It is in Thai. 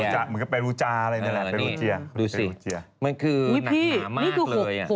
เหมือนกับไปรูจาอะไรนี่แหละไปรูเจีย